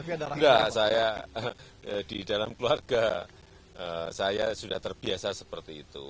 enggak saya di dalam keluarga saya sudah terbiasa seperti itu